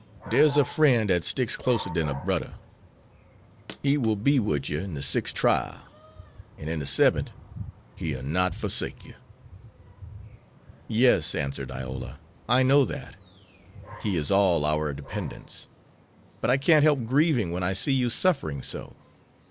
"Dere's a frien' dat sticks closer dan a brudder. He will be wid yer in de sixt' trial, an' in de sebbent' he'll not fo'sake yer." "Yes," answered Iola, "I know that. He is all our dependence. But I can't help grieving when I see you suffering so.